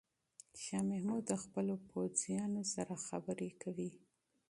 شاه محمود د خپلو پوځیانو سره خبرې کوي.